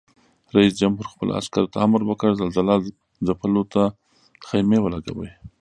رئیس جمهور خپلو عسکرو ته امر وکړ؛ زلزله ځپلو ته خېمې ولګوئ!